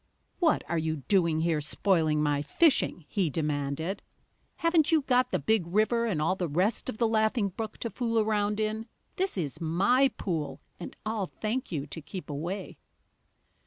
"What are you doing here, spoiling my fishing?" he demanded. "Haven't you got the Big River and all the rest of the Laughing Brook to fool around in? This is my pool, and I'll thank you to keep away!"